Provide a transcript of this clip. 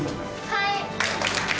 はい。